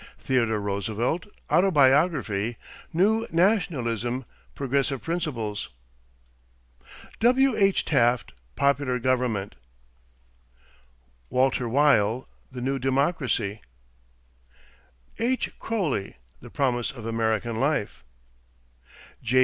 Theodore Roosevelt, Autobiography; New Nationalism; Progressive Principles. W.H. Taft, Popular Government. Walter Weyl, The New Democracy. H. Croly, The Promise of American Life. J.